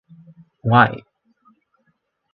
Why?